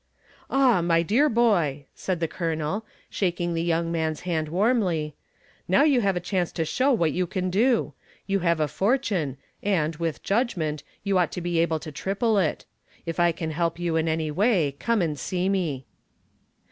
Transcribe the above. "Ah, my dear boy," said the Colonel, shaking the young man's hand warmly, "now you have a chance to show what you can do. You have a fortune and, with judgment, you ought to be able to triple it. If I can help you in any way, come and see me."